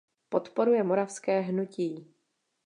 Podporuje Moravské hnutí.